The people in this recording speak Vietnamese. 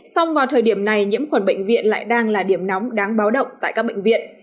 song vào thời điểm này nhiễm khuẩn bệnh viện lại đang là điểm nóng đáng báo động tại các bệnh viện